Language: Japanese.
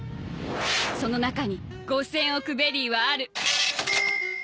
その中に ５，０００ 億ベリーはある